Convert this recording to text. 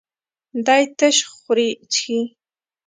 دی تش خوري څښي.